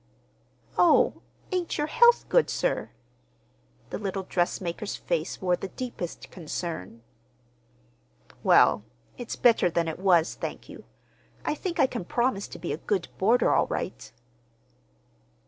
"Oh, ain't your health good, sir?" The little dressmaker's face wore the deepest concern. "Well, it's better than it was, thank you. I think I can promise to be a good boarder, all right."